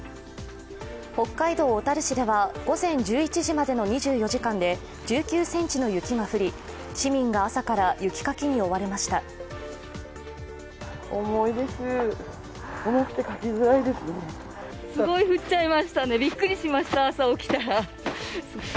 北海道小樽市では午前１１時までの２４時間で１９ｃｍの雪が降り市民が朝から雪かきに追われました。